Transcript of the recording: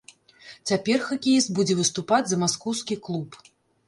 Цяпер хакеіст будзе выступаць за маскоўскі клуб.